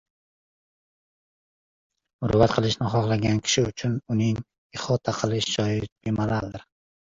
muruvvat qilishni xohlagan kishi uchun uning ihota qilingan joyi bemalaldir.